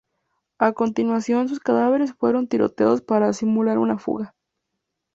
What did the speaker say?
A continuación sus cadáveres fueron tiroteados para simular una fuga.